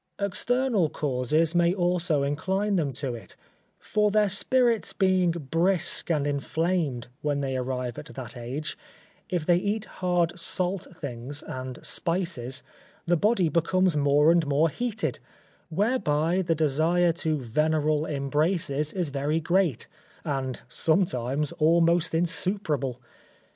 External causes may also incline them to it; for their spirits being brisk and inflamed, when they arrive at that age, if they eat hard salt things and spices, the body becomes more and more heated, whereby the desire to veneral embraces is very great, and sometimes almost insuperable.